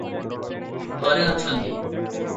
ଘରେ ଅଛନ୍ତି?